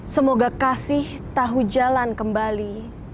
semoga kasih tahu jalan kembali